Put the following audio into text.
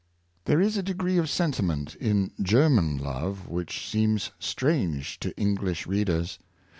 There is a degree of sentiment in German love which seems strange to English readers.